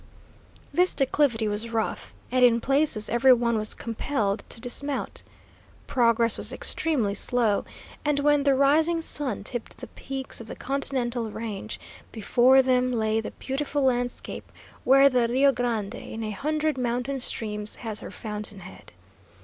This declivity was rough, and in places every one was compelled to dismount. Progress was extremely slow, and when the rising sun tipped the peaks of the Continental Range, before them lay the beautiful landscape where the Rio Grande in a hundred mountain streams has her fountain head.